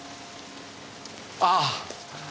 ああ！